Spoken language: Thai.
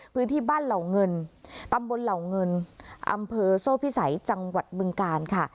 พื้นที่บ้านเหล่าเงินตำบลเหล่าเงินอำเภอโซ่พิสัยจังหวัดบึงกาลค่ะ